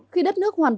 khi đất nước hoa kỳ